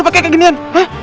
lu pakai kegenian